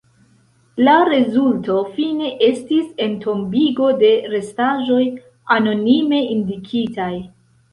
La rezulto, fine, estis entombigo de restaĵoj anonime indikitaj.